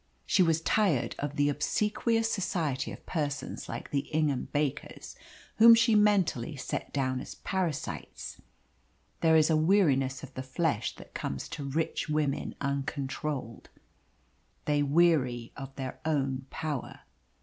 She was tired of the obsequious society of persons like the Ingham Bakers, whom she mentally set down as parasites. There is a weariness of the flesh that comes to rich women uncontrolled. They weary of their own power.